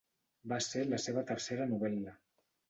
Va ser la seva tercera novel·la.